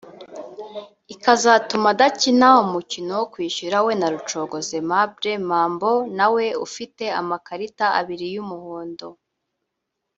ikazatuma adakina umukino wo kwishyura we na Rucogoza Aimable Mambo na we ufite amakarita abiri y’umuhondo